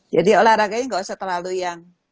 jadi olahraganya gak usah terlalu yang